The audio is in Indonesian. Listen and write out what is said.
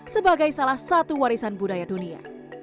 sebagai salah satu warisan budaya dunia